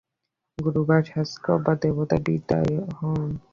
গুরু বা শাস্ত্র বা দেবতা বিদায় হউন।